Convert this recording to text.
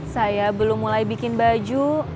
saya belum mulai bikin baju